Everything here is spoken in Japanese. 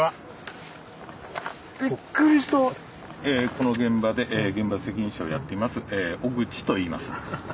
この現場で現場責任者をやっています小口といいます。